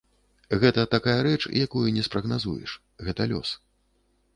Гэтая такая рэч, якую не спрагназуеш, гэта лёс.